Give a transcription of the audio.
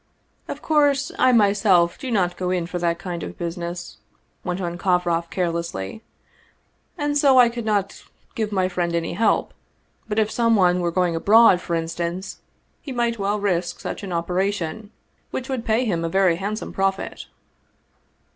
229 Russian Mystery Stories " Of course, I myself do not go in for that kind of busi ness," went on Kovroff carelessly, " and so I could not give my friend any help. But if some one were going abroad, for instance, he might well risk such an operation, which would pay him a very handsome profit."